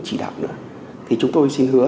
chỉ đạo nữa thì chúng tôi xin hứa